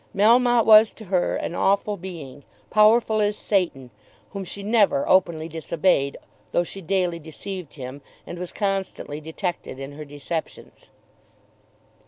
Melmotte was to her an awful being, powerful as Satan, whom she never openly disobeyed, though she daily deceived him, and was constantly detected in her deceptions.